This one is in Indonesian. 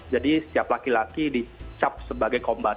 jadi setiap laki laki di penjara mereka di penjara